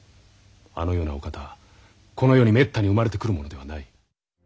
あのようなお方この世にめったに生まれてくるものではない。